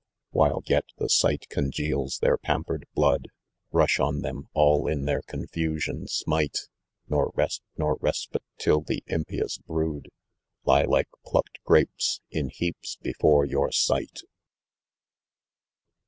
u While yet the sight congeals their pampered blood, Hush on them ! all in their confusion, smite ! Nor rest nor respite till the impious brood Lie like plucked grapes, 'm heap* before your sight.''